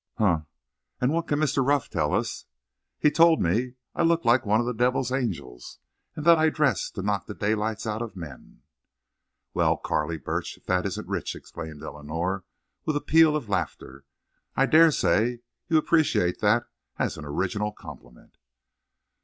"Humph! And what can Mr. Ruff tell us?" "He told me I looked like one of the devil's angels—and that I dressed to knock the daylights out of men." "Well, Carley Burch, if that isn't rich!" exclaimed Eleanor, with a peal of laughter. "I dare say you appreciate that as an original compliment."